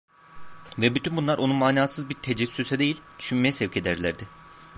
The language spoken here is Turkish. Ve bütün bunlar onu manasız bir tecessüse değil, düşünmeye sevk ederlerdi.